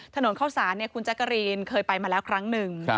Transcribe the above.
ถนนเข้าสารคุณแจ๊กกะรีนเคยไปมาแล้วครั้งหนึ่ง